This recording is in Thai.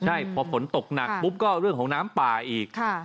ใช่พอฝนตกหนักปุ๊บก็เรื่องของน้ำป่าอีก